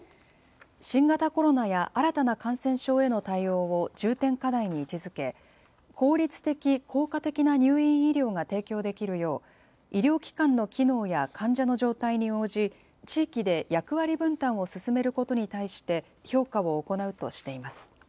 新型コロナや新たな感染症への対応を重点課題に位置づけ、効率的、効果的な入院医療が提供できるよう、医療機関の機能や患者の状態に応じ、地域で役割分担を進めることに対して評価を行うとしています。